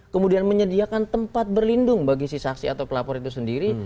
kemudian menyediakan tempat berlindung bagi si saksi atau pelapor itu sendiri